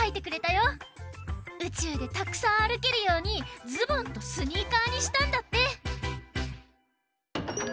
うちゅうでたくさんあるけるようにズボンとスニーカーにしたんだって。